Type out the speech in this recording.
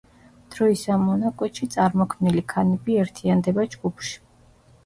დროის ამ მონაკვეთში წარმოქმნილი ქანები ერთიანდება ჯგუფში.